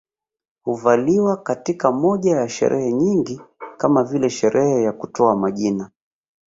Huvaliwa katika moja ya sherehe nyingi kama vile sherehe ya kutoa majina